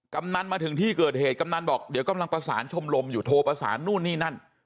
กำนันมาถึงที่เกิดเหตุกำนันบอกเดี๋ยวกำลังประสานชมรมอยู่โทรประสานนู่นนี่นั่น